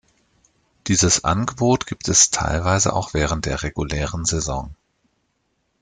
Dieses Angebot gibt es teilweise auch während der regulären Saison.